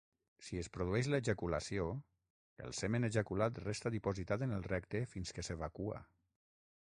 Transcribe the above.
Si es produeix l'ejaculació, el semen ejaculat resta dipositat en el recte fins que s'evacua.